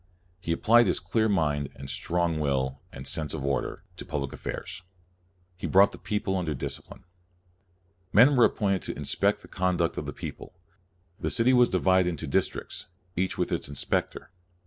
He applied his clear mind, and strong will, and sense of order, to public affairs. He brought the people under dis cipline. Men were appointed to inspect the con duct of the people. The city was divided into districts, each with its inspector.